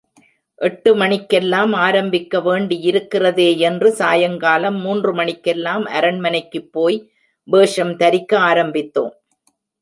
எட்டு மணிக்கெல்லாம் ஆரம்பிக்க வேண்டியிருக்கிறதே யென்று சாயங்காலம் மூன்று மணிக்கெல்லாம் அரண்மனைக்குப் போய் வேஷம் தரிக்க ஆரம்பித்தோம்.